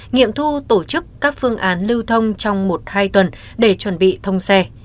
nghiệm thu tổ chức các phương án lưu thông trong một hai tuần để chuẩn bị thông xe